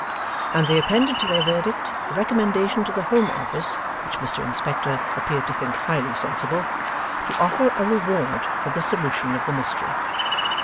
And they appended to their verdict, a recommendation to the Home Office (which Mr Inspector appeared to think highly sensible), to offer a reward for the solution of the mystery.